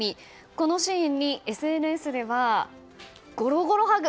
このシーンにＳＮＳではゴロゴロハグ！